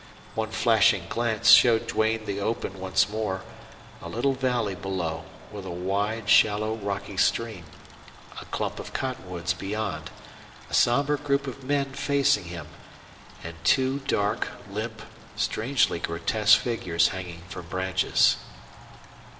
One flashing glance showed Duane the open once more, a little valley below with a wide, shallow, rocky stream, a clump of cottonwoods beyond, a somber group of men facing him, and two dark, limp, strangely grotesque figures hanging from branches.